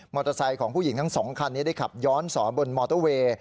ของผู้หญิงทั้งสองคันนี้ได้ขับย้อนสอนบนมอเตอร์เวย์